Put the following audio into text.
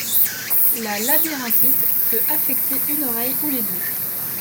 La labyrinthite peut affecter une oreille ou les deux.